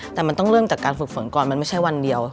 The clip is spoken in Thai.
แต่มันต้องเริ่มจากการฝึกฝนก่อนมันไม่ใช่วันเดียว